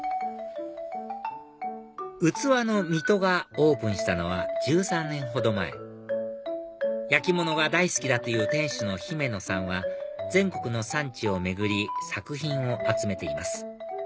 うつわの弥土がオープンしたのは１３年ほど前焼き物が大好きだという店主の姫野さんは全国の産地を巡り作品を集めています